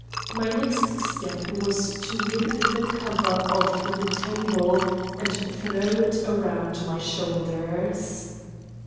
My next step was to whip the cover off the table, and throw it around my shoulders.